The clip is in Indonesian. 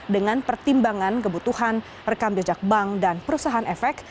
dengan pertimbangan kebutuhan rekam jejak bank dan perusahaan efek